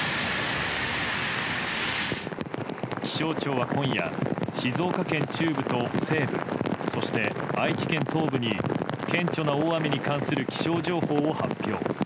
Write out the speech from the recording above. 気象庁は今夜静岡県中部と西部そして愛知県東部に顕著な大雨に関する気象情報を発表。